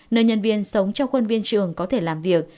nơi nhân viên sống trong khuôn viên trường có thể làm việc